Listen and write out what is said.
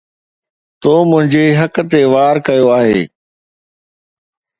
تو منهنجي حق تي وار ڪيو آهي